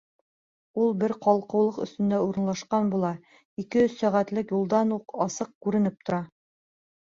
Ул бер ҡалҡыулыҡ өҫтөндә урынлашҡан була, ике-өс сәғәтлек юлдан уҡ асыҡ күренеп тора.